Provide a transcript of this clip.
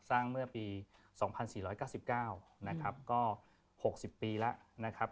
สร้างเมื่อปี๒๔๙๙ก็๖๐ปีแล้วนะครับ